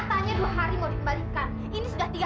kamu ya tak bisa nggak ringan bu